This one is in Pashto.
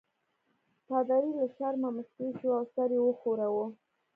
پادري له شرمه مسکی شو او سر یې وښوراوه.